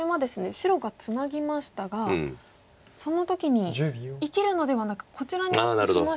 白がツナぎましたがその時に生きるのではなくこちらにいきました。